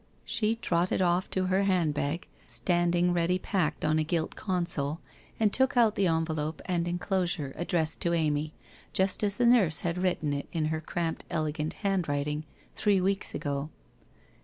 She trotted off to her handbag, standing ready packed on a gilt console, and took out the envelope and enclosure, addressed to Amy, just as the nurse had written it in her cramped elegant handwriting, three weeks ago.